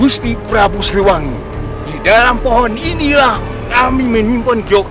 setelah didekat di everyone bunga